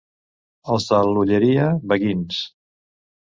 Els de l'Olleria, beguins.